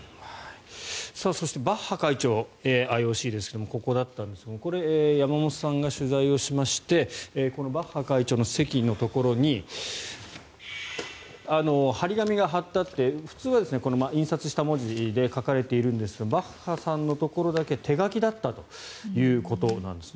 そしてバッハ会長ＩＯＣですがここだったんですがこれ、山本さんが取材をしましてこのバッハ会長の席のところに貼り紙が貼ってあって普通は印刷した文字で書かれているんですがバッハさんのところだけ手書きだったということなんです。